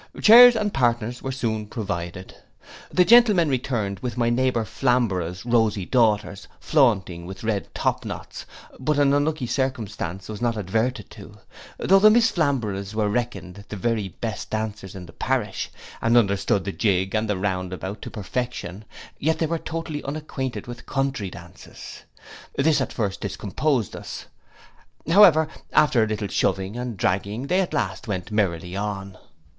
Chairs and partners were soon provided. The gentlemen returned with my neighbour Flamborough's rosy daughters, flaunting with red top knots, but an unlucky circumstance was not adverted to; though the Miss Flamboroughs were reckoned the very best dancers in the parish, and understood the jig and the round about to perfection; yet they were totally unacquainted with country dances. This at first discomposed us: however, after a little shoving and dragging, they at last went merrily on.